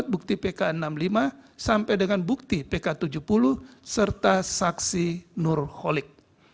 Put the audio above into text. bukti pk enam puluh lima sampai dengan bukti pk tujuh puluh serta saksi nur holik